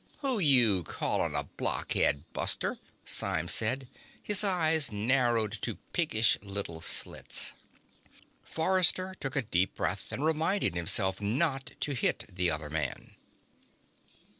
"Who you calling a blockhead, buster?" Symes said. His eyes narrowed to piggish little slits. Forrester took a deep breath and reminded himself not to hit the other man.